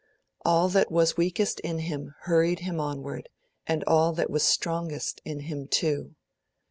All that was weakest in him hurried him onward, and all that was strongest in him too.